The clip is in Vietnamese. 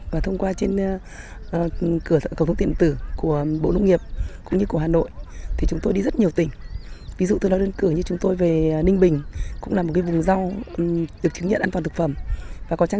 và thông qua trên kênh của hợp tác xã